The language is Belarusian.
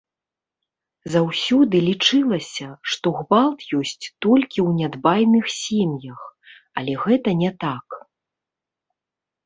Заўсёды лічылася, што гвалт ёсць толькі ў нядбайных сем'ях, але гэта не так.